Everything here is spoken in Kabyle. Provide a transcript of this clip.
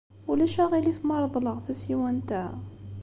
Ulac aɣilif ma reḍleɣ tasiwant-a?